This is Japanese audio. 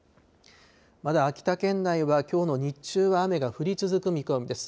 まだ秋田県内はきょうの日中は雨が降り続く見込みです。